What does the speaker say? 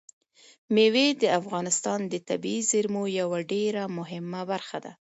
مېوې د افغانستان د طبیعي زیرمو یوه ډېره مهمه برخه ده.